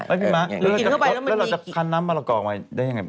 แล้วเราจะคันน้ำมะละกอนมากันได้ยังไง